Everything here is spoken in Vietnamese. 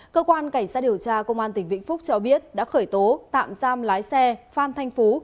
cơ quan cảnh sát điều tra công an tỉnh vĩnh phúc cho biết đã khởi tố tạm giam lái xe phan thanh phú